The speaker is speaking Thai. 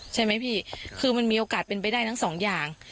ใช่ไหมพี่คือมันมีโอกาสเป็นไปได้ทั้งสองอย่าง